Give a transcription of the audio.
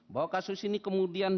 bahwa kasus ini kemudian